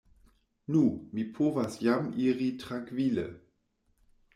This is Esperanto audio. Nu, mi povas jam iri trankvile!